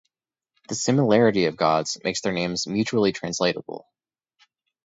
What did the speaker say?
The similarity of gods makes their names mutually translatable.